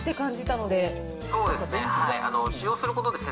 そうですね。